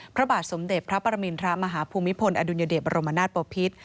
พระบาทสมเด็จพระปรมินทรมาฮภูมิพลอดุลยเดชบรมนาศปภิษ